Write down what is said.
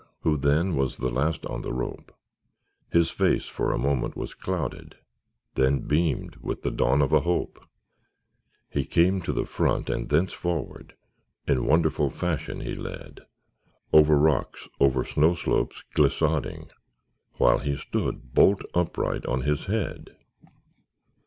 Who then was the last on the rope; His face for a moment was clouded, Then beamed with the dawn of a hope; He came to the front, and thence forward In wonderful fashion he led, Over rocks, over snow slopes glissading, While he stood, bolt upright on his head!